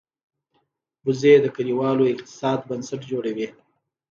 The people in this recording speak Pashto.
وزې د کلیوالو اقتصاد بنسټ جوړوي